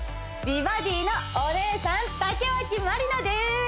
「美バディ」のお姉さん竹脇まりなです